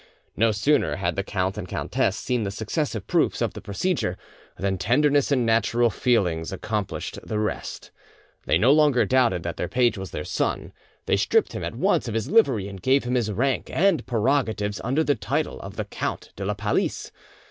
No sooner had the count and countess seen the successive proofs of the procedure, than tenderness and natural feelings accomplished the rest. They no longer doubted that their page was their son; they stripped him at once of his livery and gave him his rank and prerogatives, under the title of the Count de la Palice.